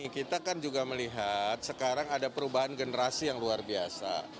kita kan juga melihat sekarang ada perubahan generasi yang luar biasa